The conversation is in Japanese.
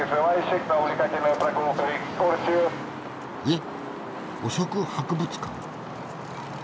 えっ汚職博物館？